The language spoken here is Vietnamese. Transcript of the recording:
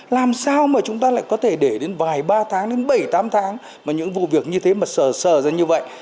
làm sao mà chúng ta lại có thể để đến vài ba tháng đến bảy tám tháng mà những vụ việc như thế mà sở sờ ra như vậy